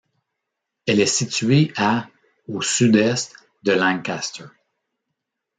Elle est située à au Sud-Est de Lancaster.